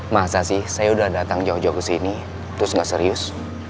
masa sih saya udah datang jauh jauh ke sini terus nggak serius